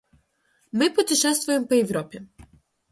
Мы путешествуем по Европе.